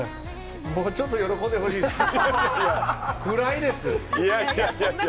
もうちょっと喜んでほしいです。